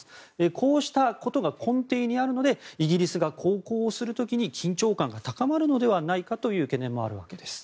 こうしたことが根底にあるのでイギリスが航行をする時に緊張感が高まるのではないかという懸念があるわけです。